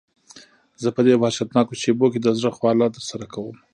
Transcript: زه په دې وحشتناکو شېبو کې د زړه خواله درسره کوم.